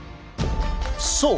そう！